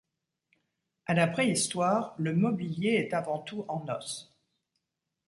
À la Préhistoire, le mobilier est avant tout en os.